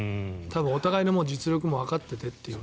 お互いの実力もわかってという。